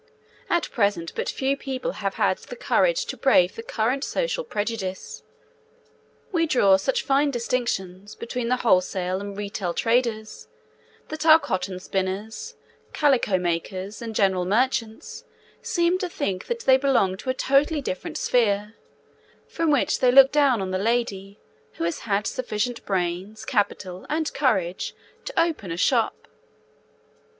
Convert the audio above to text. At present but few people have had the courage to brave the current social prejudice. We draw such fine distinctions between the wholesale and retail traders that our cotton spinners, calico makers, and general merchants seem to think that they belong to a totally different sphere, from which they look down on the lady who has had sufficient brains, capital, and courage to open a shop.